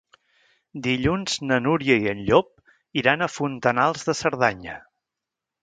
Dilluns na Núria i en Llop iran a Fontanals de Cerdanya.